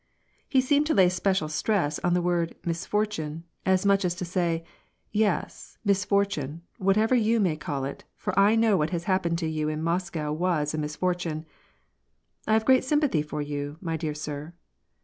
He seemed to lay a special stress on the word, " misfor tune," as much as to say : Yes, misfortune, whatever you may call it, for I know that what happened to you in Moscow was a misfortune. " I have a great sympathy for you, my dear sir."